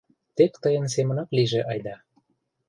Тек тыйын семынак лийже айда.